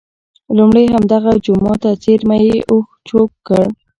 لومړی همدغه جوما ته څېرمه یې اوښ چوک کړ.